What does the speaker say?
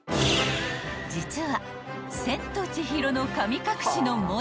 ［実は］